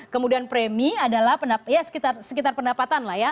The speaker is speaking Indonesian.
kemudian premi adalah sekitar pendapatan lah ya